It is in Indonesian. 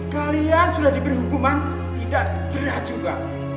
kalian sudah diberi hukuman tidak jerat juga